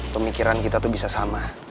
pemikiran kita tuh bisa sama